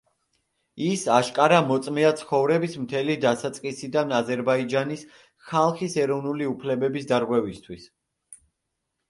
ის აშკარა მოწმეა ცხოვრების მთელი დასაწყისიდან აზერბაიჯანის ხალხის ეროვნული უფლებების დარღვევისთვის.